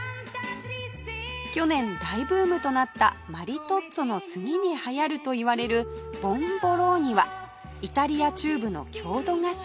去年大ブームとなったマリトッツォの次に流行るといわれるボンボローニはイタリア中部の郷土菓子